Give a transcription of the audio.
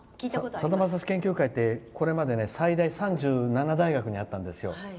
さだまさし研究会ってこれまで最大３７大学にあったんです。